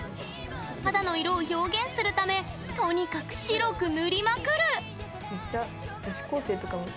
肌の色を表現するためとにかく白く塗りまくる！